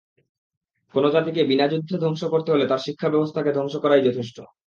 কোনো জাতিকে বিনা যুদ্ধে ধ্বংস করতে হলে তার শিক্ষাব্যবস্থাকে ধ্বংস করাই যথেষ্ট।